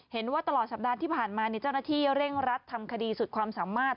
เห็นว่าตลอดสัปดาห์ที่ผ่านมาเจ้าหน้าที่เร่งรัดทำคดีสุดความสามารถ